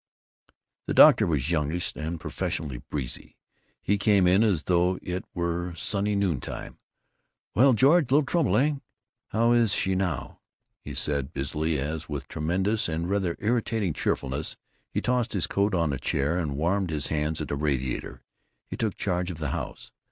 The doctor was youngish and professionally breezy. He came in as though it were sunny noontime. "Well, George, little trouble, eh? How is she now?" he said busily as, with tremendous and rather irritating cheerfulness, he tossed his coat on a chair and warmed his hands at a radiator. He took charge of the house.